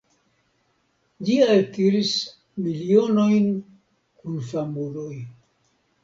Ĝi altiris milionojn kun famuloj.